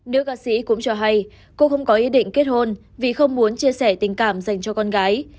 nữ ca sĩ cũng cho hay cô không có ý định kết hôn vì không muốn chia sẻ tình cảm dành cho con gái